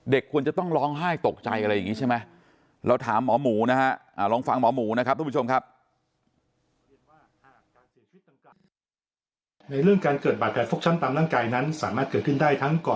เด็กควรจะต้องร้องไห้ตกใจอะไรอย่างนี้ใช่ไหมเราถามหมอหมูนะครับลองฟังหมอหมูนะครับทุกผู้ชมครับ